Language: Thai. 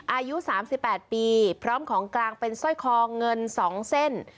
อายุสามสิบแปดปีพร้อมของกลางเป็นสร้อยคอเงินสองเส้น